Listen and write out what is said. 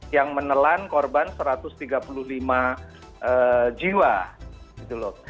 yang menelan korban satu ratus tiga puluh lima jiwa gitu loh